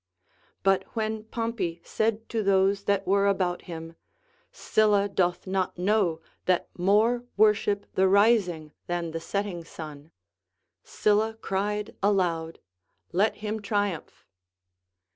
But when Pompey said to those that were about him, Sylla doth not know that more worship the rising than the setting sun, Sylla cried aloud. Let him trium.ph.